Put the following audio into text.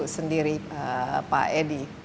sendiri pak edi